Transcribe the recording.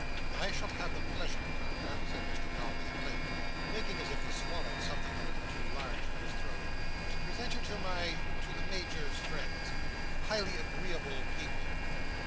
"I shall have the pleasure, Carker," said Mr Dombey at length: making as if he swallowed something a little too large for his throat: "to present you to my—to the Major's friends. Highly agreeable people."